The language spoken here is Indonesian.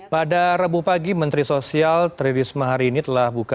pada rebuh pagi menteri sosial tririsma hari ini telah buktikan